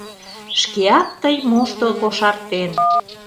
Шкеак тый мошто кошартен».